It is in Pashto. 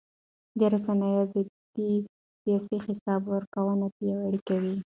د رسنیو ازادي سیاسي حساب ورکونه پیاوړې کوي